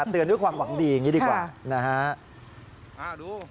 เตือนด้วยความหวังดีอย่างนี้ดีกว่านะฮะ